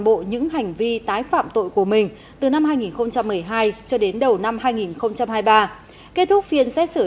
bộ những hành vi tái phạm tội của mình từ năm hai nghìn một mươi hai cho đến đầu năm hai nghìn hai mươi ba kết thúc phiên xét xử